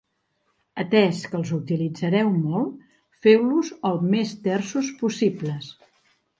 Atès que els utilitzareu molt, feu-los el més tersos possibles.